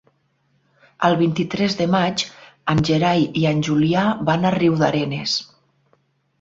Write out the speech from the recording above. El vint-i-tres de maig en Gerai i en Julià van a Riudarenes.